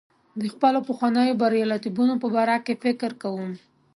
د خپلو پخوانیو بریالیتوبونو په باره کې فکر کوم.